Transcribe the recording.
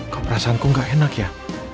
kok perasaanku gak enak ya